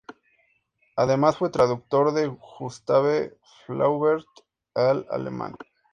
Además fue traductor de Gustave Flaubert al alemán.